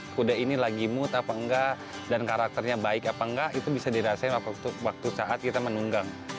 kuda ini lagi mood apa enggak dan karakternya baik apa enggak itu bisa dirasain waktu saat kita menunggang